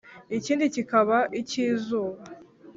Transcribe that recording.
ikindi kikaba ik'izuba.